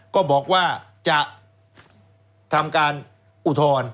ก็บอกว่าจะทำการอุทธรณ์